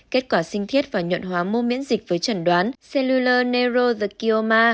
kết quả sinh thiết và nhuận hóa mô miễn dịch với chẩn đoán cellular neuro the kioma